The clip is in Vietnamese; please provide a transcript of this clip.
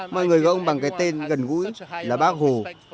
mọi người của ông bằng cái tên gần gũi là bác hồ